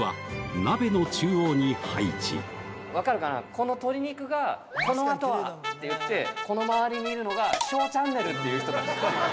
この鶏肉が「このあとは！」って言ってこの周りにいるのが「『ＳＨＯＷチャンネル』」って言う人たち。